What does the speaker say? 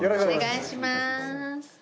お願いします。